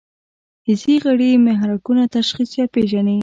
حسي غړي محرکونه تشخیص یا پېژني.